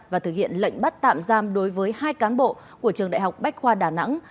và thực hiện lệnh bắt tạm giam đối với hai cán bộ của trường đại học bách khoa đà nẵng